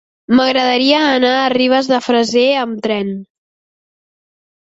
M'agradaria anar a Ribes de Freser amb tren.